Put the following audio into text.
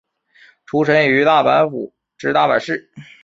出身于大阪府大阪市。